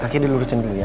kaki dilurusin dulu ya